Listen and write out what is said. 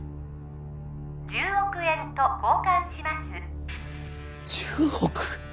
１０億円と交換します１０億？